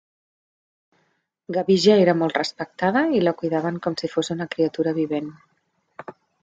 Gabija era molt respectada, i la cuidaven com si fos una criatura vivent.